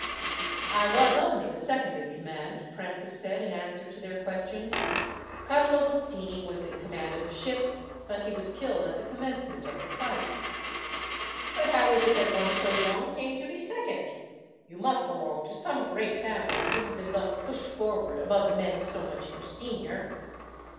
"I was only the second in command," Francis said in answer to their questions. "Carlo Bottini was in command of the ship, but he was killed at the commencement of the fight." "But how is it that one so young came to be second? You must belong to some great family to have been thus pushed forward above men so much your senior.